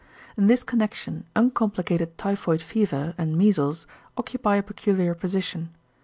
In this connection uncomplicated typhoid fever and measles occupy a peculiar position.